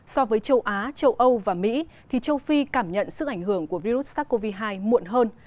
so với châu á châu âu và mỹ thì châu phi cảm nhận sức ảnh hưởng của virus sars cov hai muộn hơn